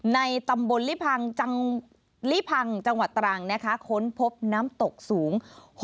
ในตำบลลิภังจังหวัดตรังค้นพบน้ำตกสูง